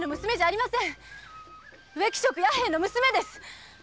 植木職弥平の娘です！